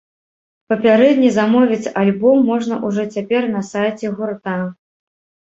Папярэдне замовіць альбом можна ўжо цяпер на сайце гурта.